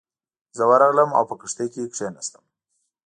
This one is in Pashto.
زه ورغلم او په کښتۍ کې کېناستم.